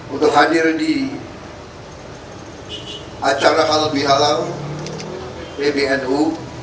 untuk hadir di acara halal bihalal pbnu